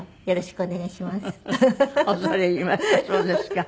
よろしくお願いします。